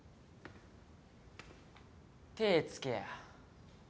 手ぇつけや。